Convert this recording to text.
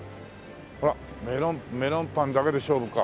ほらメロンパンだけで勝負か。